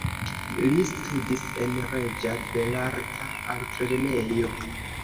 Li studis en Reĝa Belarta Altlernejo.